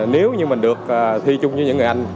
nếu như mình được thi chung với những người anh